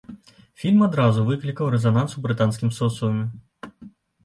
Фільм адразу выклікаў рэзананс у брытанскім соцыуме.